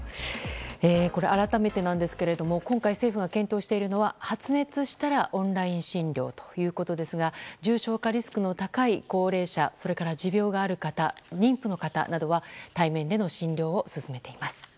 改めてですが今回、政府が検討しているのは発熱したらオンライン診療ということですが重症化リスクの高い高齢者、それから持病がある方、妊婦の方などは対面での診療を勧めています。